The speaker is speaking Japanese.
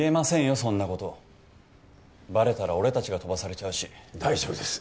そんなことバレたら俺達が飛ばされちゃうし大丈夫です